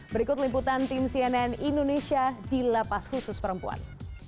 berikut liputan tim cnn indonesia di lapas khusus perempuan